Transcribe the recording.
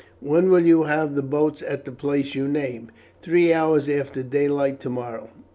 When will you have the boats at the place you name?" "Three hours after daylight tomorrow."